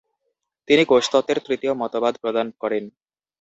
তিনি কোষতত্ত্বের তৃতীয় মতবাদ প্রদান করেন।